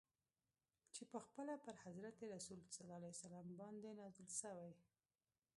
چي پخپله پر حضرت رسول ص باندي نازل سوی.